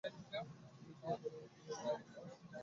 তুমি কি আবার তোমার ওই কাল্পনিক রেস্তোরাঁের কথা বলছিলে?